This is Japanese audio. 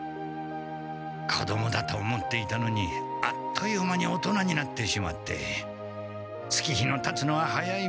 子どもだと思っていたのにあっという間に大人になってしまって月日のたつのは早いものだ。